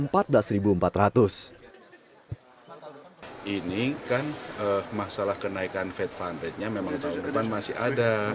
pada tahun ini kan masalah kenaikan fed fundraitenya memang tahun depan masih ada